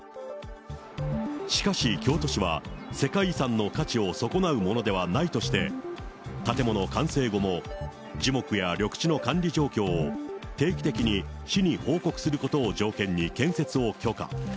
しかし、京都市は世界遺産の価値を損なうものではないとして、建物完成後も、樹木や緑地の管理状況を定期的に市に報告することを条件に建設を許可。